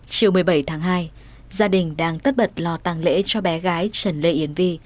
chiều một mươi bảy tháng hai gia đình đang tất bật lo tăng lễ cho bé gái trần lê yến vi